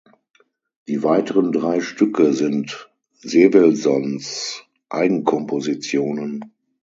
Die weiteren drei Stücke sind Sewelsons Eigenkompositionen.